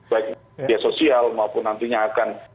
baik media sosial maupun nantinya akan